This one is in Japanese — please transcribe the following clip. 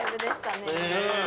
ねえ。